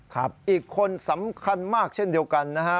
อีกคนสำคัญมากเช่นเดียวกันนะฮะ